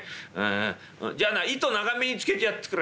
じゃあな糸長めにつけてやっつくれ。